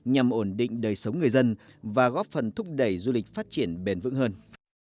nhằm ổn định đời sống người dân và góp phần thúc đẩy du lịch phát triển bền vững hơn